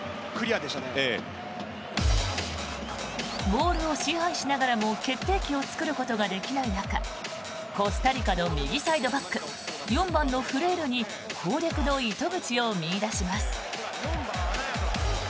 ボールを支配しながらも決定機を作ることができない中コスタリカの右サイドバック４番のフレールに攻略の糸口を見いだします。